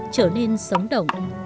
trở nên sống động